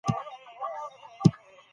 خبرې د داستان محرک دي.